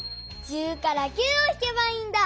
１０から９をひけばいいんだ。